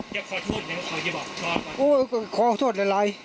อย่าขอโทษยาลัย